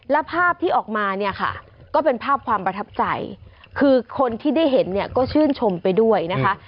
แล้วภาพที่ออกมาเนี่ยค่ะก็เป็นภาพความประทับใจคือคนที่ได้เห็นเนี่ยก็ชื่นชมไปด้วยนะคะ